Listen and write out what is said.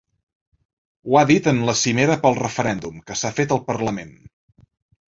Ho ha dit en la cimera pel referèndum que s’ha fet al parlament.